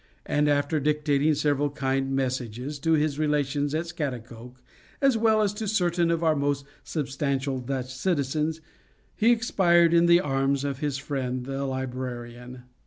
And, after dictating several kind messages, to his relations at Scaghtikoke, as well as to certain of our most substantial Dutch citizens, he expired in the arms of his friend the librarian.